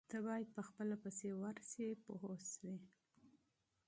تۀ باید په خپله پسې ورشې پوه شوې!.